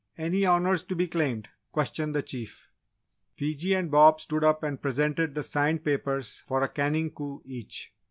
"Any Honours to be claimed?" questioned the Chief. Fiji and Bob stood up and presented the signed papers for a canning coup each.